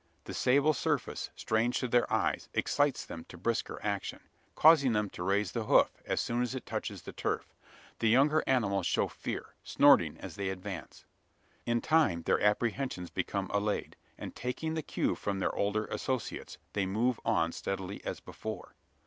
The sable surface, strange to their eyes, excites them to brisker action causing them to raise the hoof, as soon as it touches the turf. The younger animals show fear snorting, as they advance. In time their apprehensions become allayed; and, taking the cue from their older associates, they move on steadily as before.